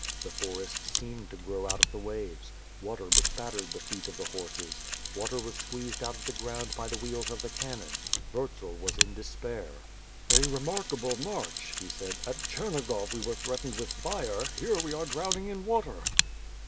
The forests seemed to grow out of the waves; water bespattered the feet of the horses; water was squeezed out of the ground by the wheels of the cannon. Wurtzel was in despair. "A remarkable march,'' he said. "At Chernigov we were threatened with fire; here we are drowning in water."